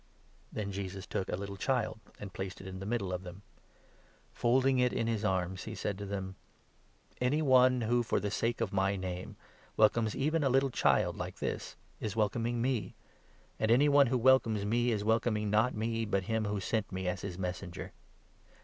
Then Jesus took a little child, and placed it in the middle of 36 them. Folding it in his arms, he said to them :" Any one who, for the sake of my Name, welcomes even a 37 little child like this is welcoming me, and any one who welcomes me is welcoming not me, but him who sent me as his Messenger.